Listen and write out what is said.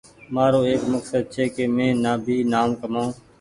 مآرو ايڪ مڪسد ڇي ڪ مينٚ بي نآم ڪمآئو